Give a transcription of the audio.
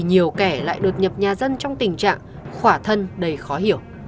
nhiều kẻ lại đột nhập nhà dân trong tình trạng khỏa thân đầy khó hiểu